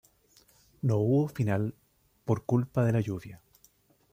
No hubo final por culpa de la lluvia.